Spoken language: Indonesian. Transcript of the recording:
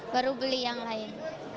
baru beli yang lain